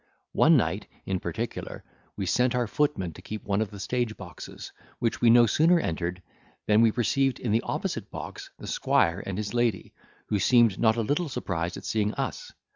One night, in particular, we sent our footman to keep one of the stage boxes, which we no sooner entered, than we perceived in the opposite box the squire and his lady, who seemed not a little surprised at seeing us.